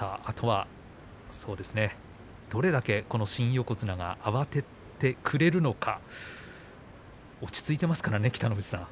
あとはどれだけ新横綱が慌ててくれるのか落ち着いていますからね北の富士さん。